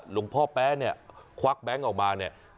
หลวงพ่อแป๊ะเนี่ยควักแบงค์ออกมาเนี่ย